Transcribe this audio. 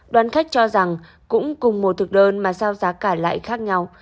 đoàn khách cho rằng cũng cùng một thực đơn mà giao giá cả lại khác nhau